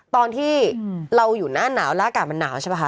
ตอนที่เราอยู่หน้าหนาวแล้วอากาศมันหนาวใช่ป่ะค